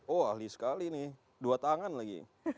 oh ahli sekali nih dua tangan lagi